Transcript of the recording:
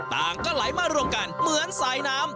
ต่างก็ไหลมารวมกันเหมือนสายน้ำ